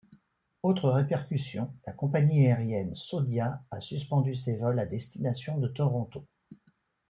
Autre répercussion, la compagnie aérienne Saudia a suspendu ses vols à destination de Toronto.